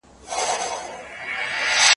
زه هره ورځ سبا ته فکر کوم!.